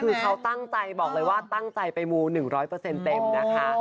คือเขาตั้งใจบอกเลยว่าตั้งใจไปมู๑๐๐เต็มนะคะ